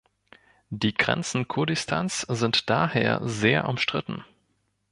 Die Grenzen Kurdistans sind daher sehr umstritten.